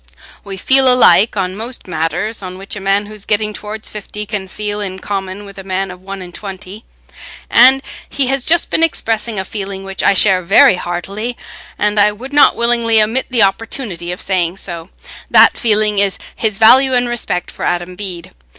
We feel alike on most matters on which a man who is getting towards fifty can feel in common with a young man of one and twenty, and he has just been expressing a feeling which I share very heartily, and I would not willingly omit the opportunity of saying so. That feeling is his value and respect for Adam Bede.